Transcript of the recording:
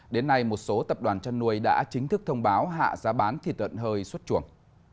đến nay một số tập đoàn chăn nuôi đã chính thức thông báo hạ giá bán thịt lợn hơi xuất chuồng